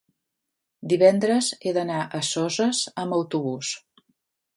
divendres he d'anar a Soses amb autobús.